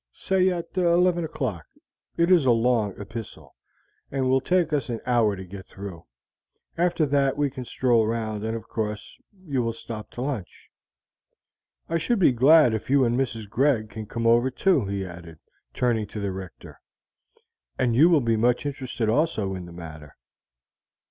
"Say at eleven o'clock. It is a long epistle, and will take us an hour to get through; after that we can stroll round, and, of course, you will stop to lunch. "I should be glad if you and Mrs. Greg can come over too," he added, turning to the Rector; "you will be much interested also in the matter."